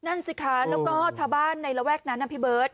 นั่นสิคะแล้วก็ชาวบ้านในระแวกนั้นนะพี่เบิร์ต